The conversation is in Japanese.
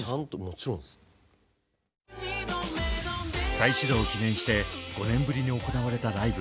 再始動を記念して５年ぶりに行われたライブ。